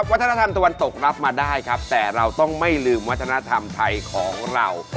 วัฒนธรรมตะวันตกรับมาได้ครับแต่เราต้องไม่ลืมวัฒนธรรมไทยของเรา